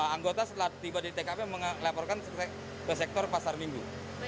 anggota setelah tiba di tkp melaporkan ke sektor pasar minggu